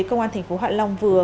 công an tp hoạn long vừa